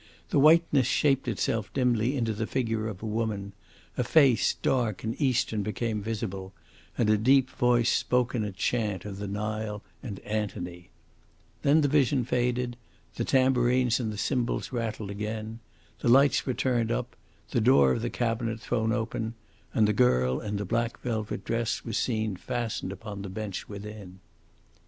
The whiteness shaped itself dimly into the figure of a woman, a face dark and Eastern became visible, and a deep voice spoke in a chant of the Nile and Antony. Then the vision faded, the tambourines and cymbals rattled again. The lights were turned up, the door of the cabinet thrown open, and the girl in the black velvet dress was seen fastened upon the bench within.